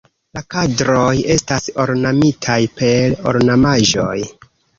La kadroj estas ornamitaj per ornamaĵoj.